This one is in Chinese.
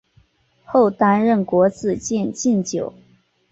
后担任国子监祭酒。